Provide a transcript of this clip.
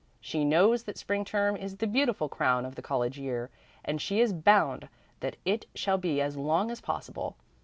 She knows that spring term is the beautiful crown of the college year, and she is bound that it shall be as long as possible.